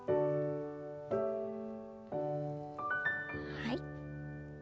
はい。